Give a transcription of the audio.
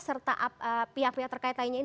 serta pihak pihak terkait lainnya